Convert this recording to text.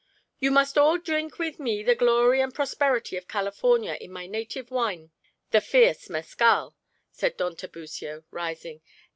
"You must all dreenk with me to the glory and prosperity of California in my native wine, the fierce mescal," said Don Tiburcio, rising.